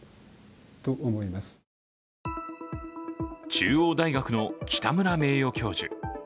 中央大学の北村名誉教授。